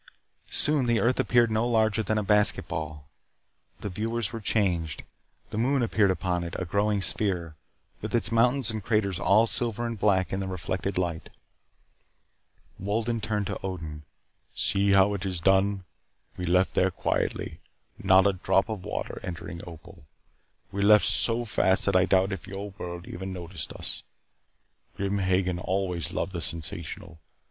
Soon the earth appeared no larger than a basketball. The viewers were changed. The moon appeared upon it a growing sphere, with its mountains and craters all silver and black in the reflected light. Wolden turned to Odin. "See how it is done. We left there quietly. Not a drop of water entered Opal. We left so fast that I doubt if your world even noticed us. Grim Hagen always loved the sensational.